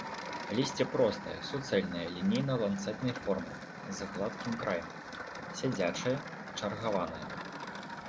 Лісце простае, суцэльнае, лінейна-ланцэтнай формы, з гладкім краем, сядзячае, чаргаванае.